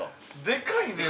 でかいね。